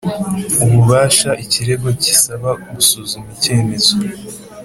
ububasha ikirego gisaba gusuzuma icyemezo